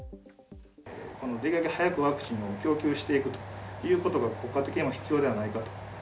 できるだけ早くワクチンを供給していくということが、国家的にも必要ではないかと。